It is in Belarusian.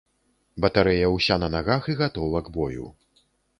Батарэя ўся на нагах і гатова к бою.